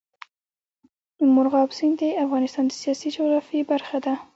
مورغاب سیند د افغانستان د سیاسي جغرافیه برخه ده.